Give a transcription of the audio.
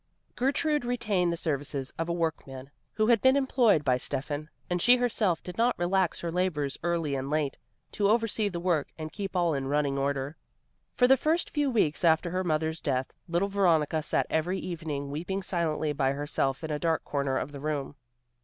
Gertrude retained the services of a workman who had been employed by Steffan, and she herself did not relax her labors early and late, to oversee the work and keep all in running order. For the first few weeks after her mother's death little Veronica sat every evening weeping silently by herself in a dark corner of the room.